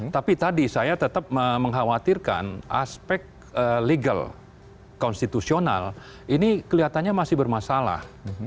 tapi tadi saya tetap mengkhawatirkan aspek legal konstitusional ini kelihatannya masih bermasalah